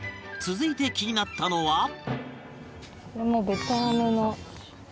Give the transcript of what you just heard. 続いて気になったのは